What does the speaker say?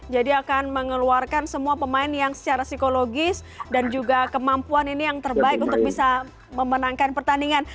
jadi akan mengeluarkan semua pemain yang secara psikologis dan juga kemampuan ini yang terbaik untuk bisa memenangkan pertandingan